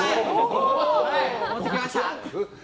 持ってきました！